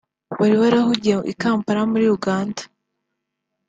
wari warahugiye i Kampala muri Uganda